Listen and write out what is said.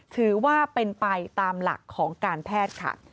ถือว่าเป็นไปตามหลักของการแพทย์ค่ะ